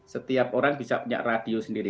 setiap orang bisa punya radio sendiri